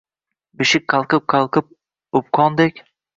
Beshik qalqib-qalqib o‘pqondek